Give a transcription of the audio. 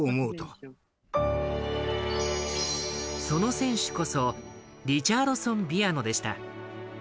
その選手こそリチャードソン・ビアノでした。